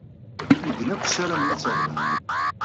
Medden akk ssarmen ad terbeḥ.